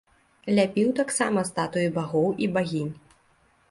Ляпіў таксама статуі багоў і багінь.